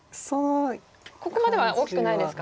ここまでは大きくないですか？